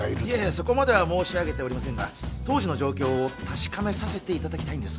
そこまでは申し上げておりませんが当時の状況を確かめさせていただきたいんです